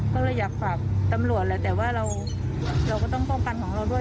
ก็เลยอยากฝากตำรวจแหละแต่ว่าเราก็ต้องป้องกันของเราด้วย